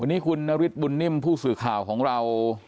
วันนี้คุณนฤทธบุญนิ่มผู้สื่อข่าวของเรา